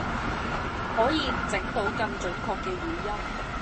可以整到更準確嘅語音